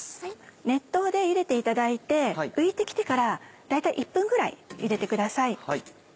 熱湯でゆでていただいて浮いて来てから大体１分ぐらいゆでてください。